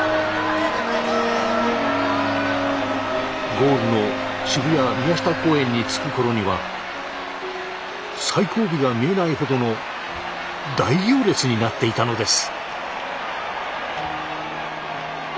ゴールの渋谷・宮下公園に着く頃には最後尾が見えないほどの大行列になっていたのです。